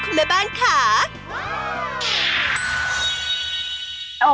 เป็นอย่างไรครับ